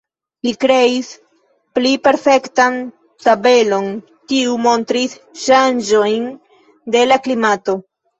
Li kreis pli perfektan tabelon, kiu montris ŝanĝojn de la klimato.